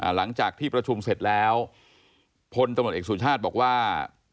หลังจากที่ประชุมเสร็จแล้วพลตำรวจเอกสุชาติบอกว่า